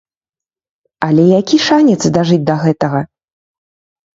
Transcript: Але які шанец дажыць да гэтага!